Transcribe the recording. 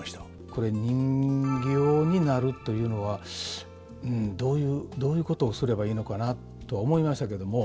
これ人形になるというのはどういうことをすればいいのかなと思いましたけども。